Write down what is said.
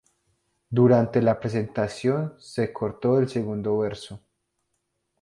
Durante la presentación, se cortó el segundo verso.